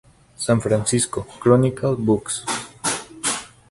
San Francisco: Chronicle Books.